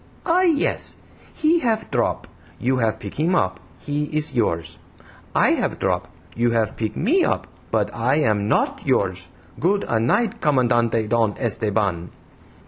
"Ah, yes; he have drop, you have pick him up, he is yours. I have drop, you have pick ME up, but I am NOT yours. Good a' night, COMANDANTE Don Esteban!"